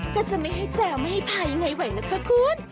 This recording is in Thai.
ก็จะไม่ให้แจวไม่ให้พายังไงไหวนะคะคุณ